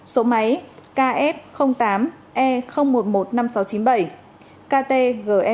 số máy kf tám e một trăm một mươi năm nghìn sáu trăm chín mươi bảy ktge một